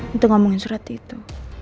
untuk ngomongin surat itu